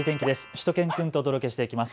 しゅと犬くんとお届けしていきます。